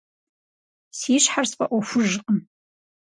Си щхьэр сфӀэӀуэхужкъым.